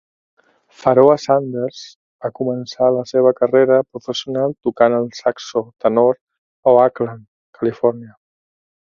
Pharoah Sanders a començar la seva carrera professional tocant el saxo tenor a Oakland, California.